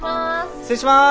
失礼します。